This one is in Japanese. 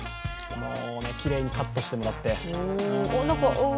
きれいにカットしてもらって。